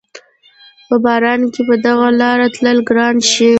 په باران کښې په دغه لاره تلل ګران شي